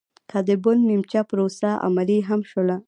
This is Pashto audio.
که د بن نیمچه پروسه عملي هم شوله